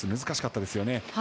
難しかったですよね。